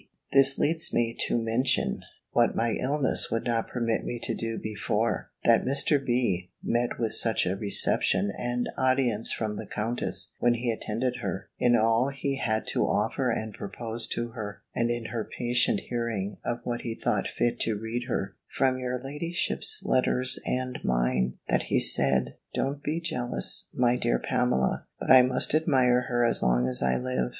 This leads me to mention, what my illness would not permit me to do before, that Mr. B. met with such a reception and audience from the Countess, when he attended her, in all he had to offer and propose to her, and in her patient hearing of what he thought fit to read her, from your ladyship's letters and mine, that he said, "Don't be jealous, my dear Pamela; but I must admire her as long as I live."